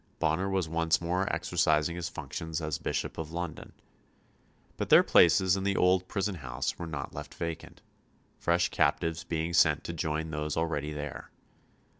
Bonner was once more exercising his functions as Bishop of London. But their places in the old prison house were not left vacant: fresh captives being sent to join those already there.